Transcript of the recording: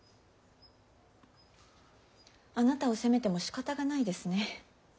あなたを責めてもしかたがないですね。